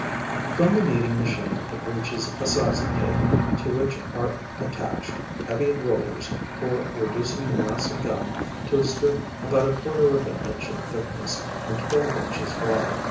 From the kneading machine it reaches a sizing table, to which are attached heavy rollers for reducing the mass of gum to a strip about a quarter of an inch in thickness and twelve inches wide.